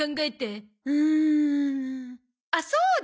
うんあっそうだ！